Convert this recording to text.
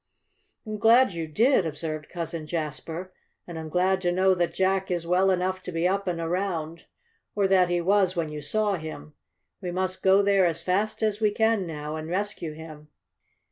"I'm glad you did," observed Cousin Jasper. "And I'm glad to know that Jack is well enough to be up and around or that he was when you saw him. We must go there as fast as we can now, and rescue him."